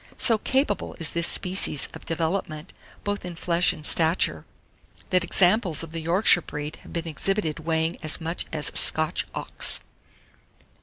So capable is this species of development, both in flesh and stature, that examples of the Yorkshire breed have been exhibited weighing as much as a Scotch ox.